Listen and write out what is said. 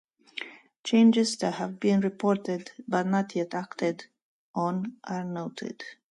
Changes that have been reported but not yet acted on are noted.